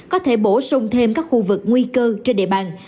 có thể bổ sung thêm các khu vực nguy cơ trên địa bàn